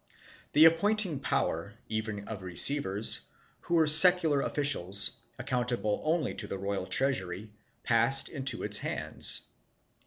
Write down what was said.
The appoint ing power, even of receivers, who were secular officials, account able only to the royal treasury, passed into its hands.